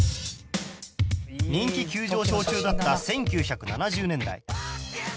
人気急上昇中だった１９７０年代